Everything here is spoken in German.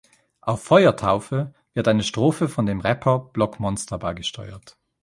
Auf "Feuertaufe" wird eine Strophe von dem Rapper Blokkmonsta beigesteuert.